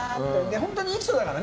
本当にいい人だからね